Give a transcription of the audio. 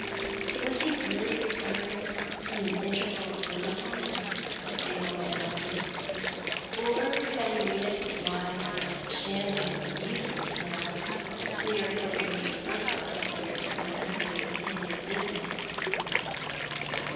Was he really recovering from an interval of lunacy, the stableman wondered ; or had he made up his mind that shamming was useless now that clear headed Mr. Urquhart was here to investigate the hideous business